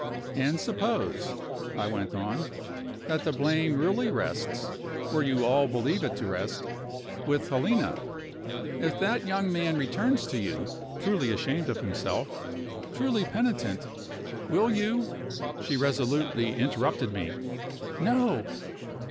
"And suppose," I went on, "that the blame really rests, where you all believe it to rest, with Helena. If that young man returns to you, truly ashamed of himself, truly penitent, will you ?" She resolutely interrupted me: "No!"